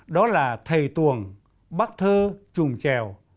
đó là thầy tuồng bác thơ trùm trèo